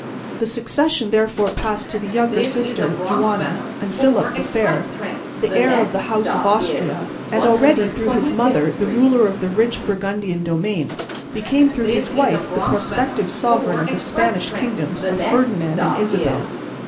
The succession therefore passed to the younger sister, Juana; and Philip the Fair, the heir of the House of Austria and already through his mother the ruler of the rich Burgundian domain, became through his wife the prospective sovereign of the Spanish kingdoms of Ferdinand and Isabel.